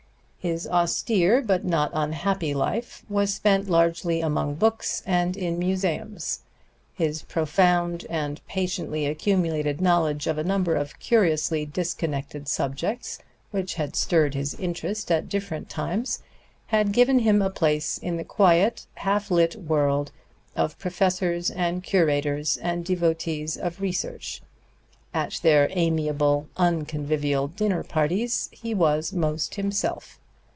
His austere but not unhappy life was spent largely among books and in museums; his profound and patiently accumulated knowledge of a number of curiously disconnected subjects which had stirred his interest at different times had given him a place in the quiet, half lit world of professors and curators and devotees of research; at their amiable, unconvivial dinner parties he was most himself.